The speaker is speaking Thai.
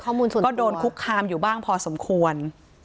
ก็โดนคุกคามอยู่บ้างพอสมควร